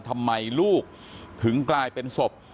ทำไมลูกถึงกลายเป็นศพ